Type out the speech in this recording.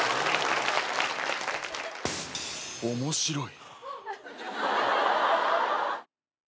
面白い。